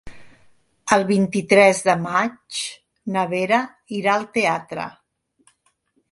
El vint-i-tres de maig na Vera irà al teatre.